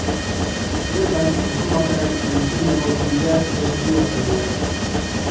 Bertan erromatarren aitzinako bideak deskribatzen dira.